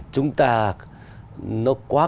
chúng ta nó quá